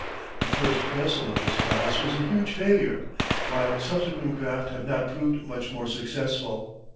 The first vessel of this class was a huge failure, while subsequent craft have not proved much more successful.